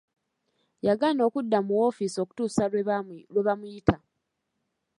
Yagaana okudda mu woofisi okutuusa lwe bamuyita.